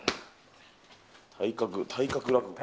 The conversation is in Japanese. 体格、体格落語。